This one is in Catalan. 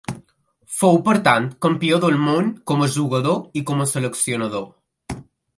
Fou, per tant, campió del Món com a jugador i com a seleccionador.